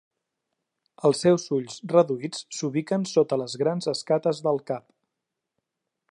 Els seus ulls reduïts s'ubiquen sota les grans escates del cap.